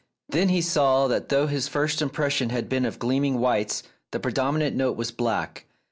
Then he saw that though his first impression had been of gleaming whites, the predominant note was black.